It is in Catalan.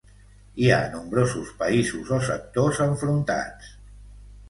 Hi ha nombrosos països o sectors enfrontats.